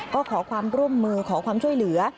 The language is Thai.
ก็ขอความร่วมมือขอความช่วยเหลือ